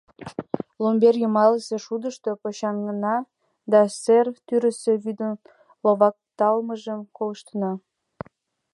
Ломбер йымалсе шудышто почаҥна да сер тӱрысӧ вӱдын ловыкталтмыжым колыштна.